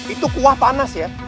itu kuah panas ya